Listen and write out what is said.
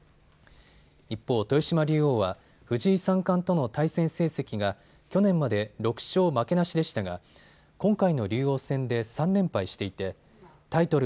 一方、豊島竜王は藤井三冠との対戦成績が去年まで６勝負けなしでしたが今回の竜王戦で３連敗していてタイトル